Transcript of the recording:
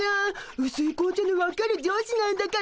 うすい紅茶の分かる女子なんだから！